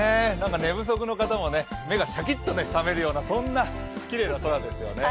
寝不足の方も目がシャキッと覚めるようなそんなきれいな空ですよね。